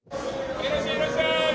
いらっしゃいませ！